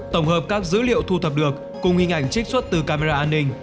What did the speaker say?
tổng hợp các dữ liệu thu thập được cùng hình ảnh trích xuất từ camera an ninh